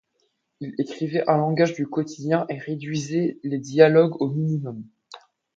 Il écrivait un langage du quotidien, et réduisait les dialogues au minimum.